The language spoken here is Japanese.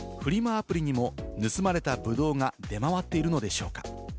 アプリにも盗まれたブドウが出回っているのでしょうか？